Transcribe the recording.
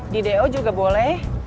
di do juga boleh